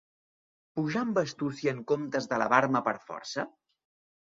Pujar amb astúcia en comptes d’elevar-me per força?